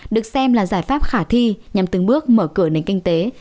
được xem là giải pháp khả thi nhằm từng bước mở cửa nền kinh tế